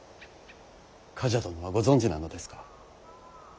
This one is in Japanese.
冠者殿はご存じなのですか。